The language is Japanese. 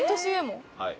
はい。